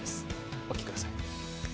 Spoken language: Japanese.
お聞きください。